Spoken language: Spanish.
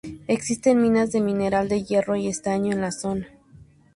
Existen minas de mineral de hierro y estaño en la zona.